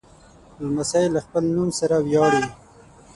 لمسی له خپل نوم سره ویاړي.